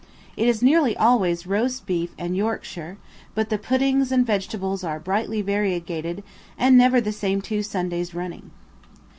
It is nearly always roast beef and Yorkshire, but the puddings and vegetables are brightly variegated and never the same two Sundays running.